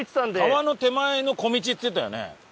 川の手前の小道って言ってたよね。